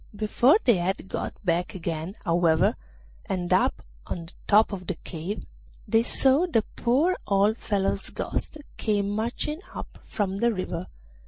Before they had got back again, however, and up on top of the cave, they saw the poor old fellow's ghost come marching up from the river.